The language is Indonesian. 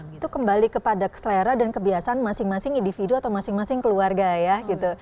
itu kembali kepada keselera dan kebiasaan masing masing individu atau masing masing keluarga ya gitu